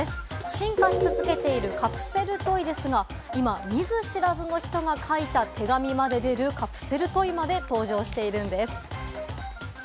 進化し続けているカプセルトイですが、今、見ず知らずの人が書いた手紙まで出る、カプセルトイまで登場しているんです。